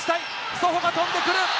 ソホが飛んでくる！